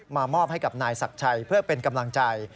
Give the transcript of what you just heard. มอบให้กับนายศักดิ์ชัยเพื่อเป็นกำลังใจ